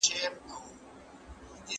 د دغي نامې په اړه تحقیق وکړئ.